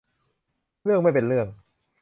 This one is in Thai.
เรื่องไม่เป็นเรื่อง